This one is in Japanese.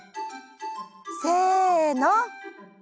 せの！